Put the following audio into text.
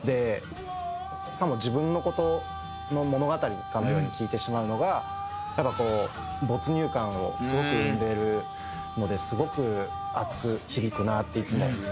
さも自分の物語かのように聴いてしまうのがやっぱこう没入感をすごく生んでいるのですごく熱く響くなっていつも思っていて。